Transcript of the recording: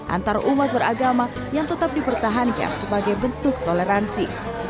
antara umat beragama yang tetap dipertahankan sebagai bentuk toleransi